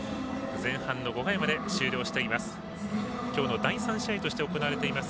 前半の５回まで終了しています。